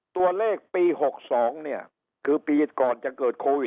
ตัวเลขปี๖๒เนี่ยคือปีก่อนจะเกิดโควิด